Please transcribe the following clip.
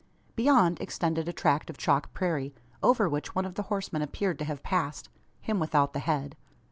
Beyond, extended a tract of chalk prairie; over which one of the horsemen appeared to have passed him without the head.